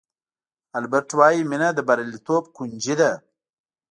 البرټ وایي مینه د بریالیتوب کونجي ده.